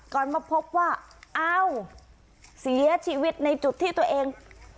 ก่อนมาพบว่าเอ้าเสียชีวิตในจุดที่ตัวเอง